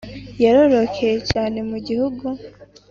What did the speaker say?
yarororokeye cyane mu gihugu